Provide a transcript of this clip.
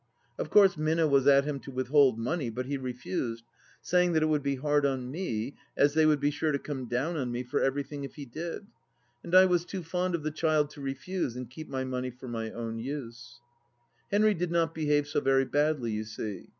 Of course Minna was at him to withhold money, but he refused, saying that it would be hard on me, as they would be sure to come down on me for everything if he did, and I was too fond of the child to refuse and keep my money for my own use. ... Henry did not behave so very badly, you see.